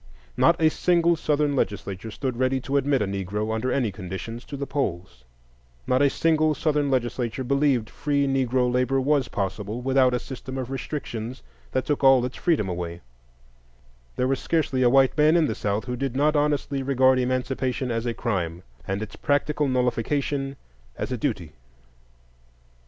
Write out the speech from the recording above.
Not a single Southern legislature stood ready to admit a Negro, under any conditions, to the polls; not a single Southern legislature believed free Negro labor was possible without a system of restrictions that took all its freedom away; there was scarcely a white man in the South who did not honestly regard Emancipation as a crime, and its practical nullification as a duty.